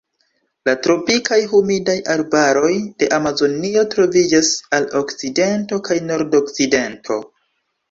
La tropikaj humidaj arbaroj de Amazonio troviĝas al okcidento kaj nordokcidento.